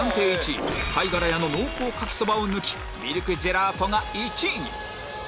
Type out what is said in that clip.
１位貝ガラ屋の濃厚牡蠣そばを抜きミルクジェラートが１位に！